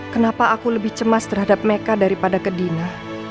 kenapa aku lebih cemas terhadap mereka daripada ke dina